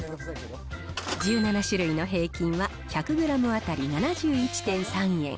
１７種類の平均は、１００グラム当たり７１．３円。